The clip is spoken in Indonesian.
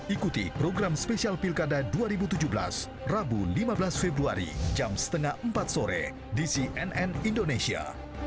ikuti program spesial pilkada dua ribu tujuh belas rabu lima belas februari jam setengah empat sore di cnn indonesia